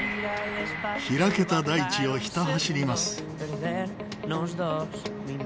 開けた大地をひた走ります。